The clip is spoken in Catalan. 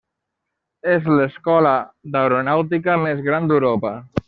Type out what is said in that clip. És l'escola d'aeronàutica més gran d'Europa.